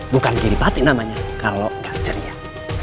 bukan giripati namanya kalau gak jeliah